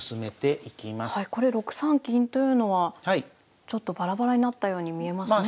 これ６三金というのはちょっとバラバラになったように見えますね。